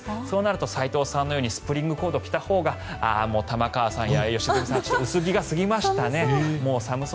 そうなりますと斎藤さんのようにスプリングコートを着たほうがもう玉川さんや良純さん薄着が過ぎましたね。